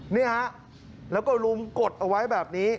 นี่ฮะแล้วก็ลุมกดเอาไว้แบบนี้